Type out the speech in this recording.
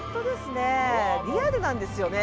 リアルなんですよね。